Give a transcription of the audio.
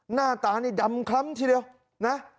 หน้าตานี่ดำคล้ำทีเดียวนะ